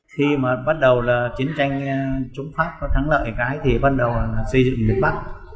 khi mà bắt đầu là chiến tranh chống pháp có thắng lại cái thì bắt đầu là xây dựng nước bắc